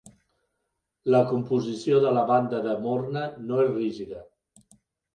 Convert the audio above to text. La composició de la banda de Morna no és rígida.